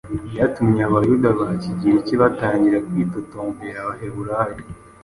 Byatumye “Abayuda ba kigiriki batangira kwitotombera Abaheburayo.